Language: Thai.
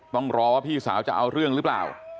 ต้องรอว่าพี่สาวจะเอาเรื่องหรือเปล่า